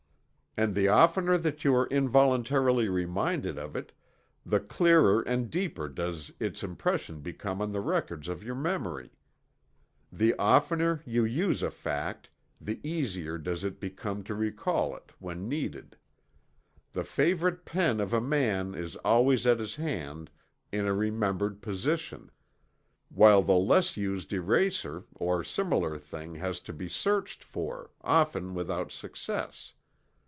And the oftener that you are involuntarily "reminded" of it, the clearer and deeper does its impression become on the records of your memory. The oftener you use a fact, the easier does it become to recall it when needed. The favorite pen of a man is always at his hand in a remembered position, while the less used eraser or similar thing has to be searched for, often without success.